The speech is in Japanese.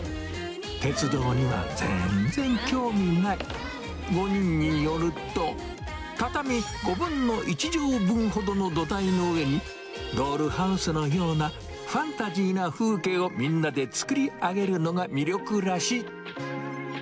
鉄道には全然興味ない、５人によると、畳５分の１畳分ほどの土台の上に、ドールハウスのようなファンタジーな風景をみんなで作り上げるのが魅力らしい。